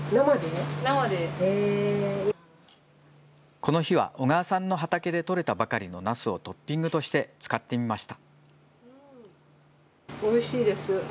この日は小川さんの畑で取れたばかりのナスをトッピングとして使ってみました。